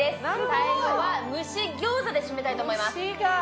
最後は蒸し餃子で締めたいと思います。